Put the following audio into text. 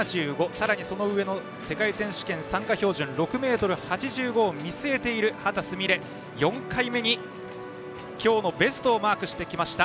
さらに、その上の世界選手権参加標準６ｍ８５を見据えている秦澄美鈴、４回目に今日のベストをマークしました。